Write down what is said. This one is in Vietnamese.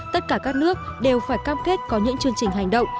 tất cả các nước đều phải cam kết có những chương trình hành động